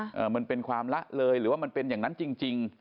มันเป็นความละเลยหรือว่ามันเป็นอย่างนั้นจริงจริง